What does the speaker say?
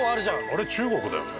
あれ中国だよね？